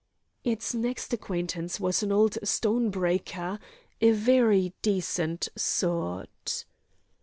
Its next acquaintance was an old stone breaker, a very decent sort.